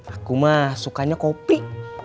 aku mah sukanya kopi